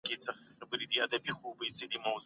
په پښتو ژبه کي ورته سياستپوهنه ويل کېږي.